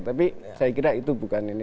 tapi saya kira itu bukan ini